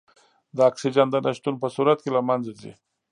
د اکسیجن د نه شتون په صورت کې له منځه ځي.